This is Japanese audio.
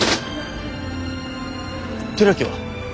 寺木は？